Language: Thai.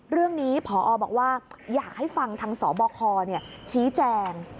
เรื่องนี้พอบอกว่าอยากให้ฟังทางสบคชี้แจง